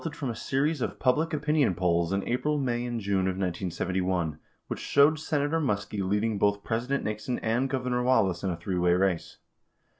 159 from a series of public opinion polls in April, May, and June of 1971, which showed Senator Muskie leading both President Nixon and Gov ernor Wallace in a three way race.